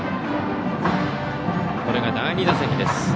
これが第２打席です。